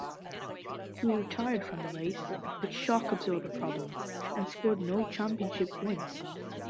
He retired from the race with shock absorber problems, and scored no championship points.